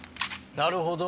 なるほど。